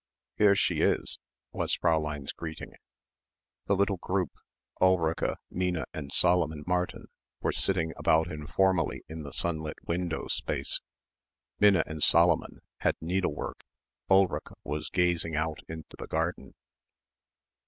"Here she is," was Fräulein's greeting. The little group Ulrica, Minna and Solomon Martin were sitting about informally in the sunlit window space, Minna and Solomon had needlework Ulrica was gazing out into the garden.